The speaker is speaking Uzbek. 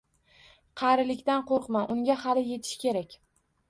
Qarilikdan qo’rqma, unga hali yetish kerak.